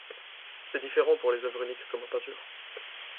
C’est différent pour les œuvres uniques comme en peinture.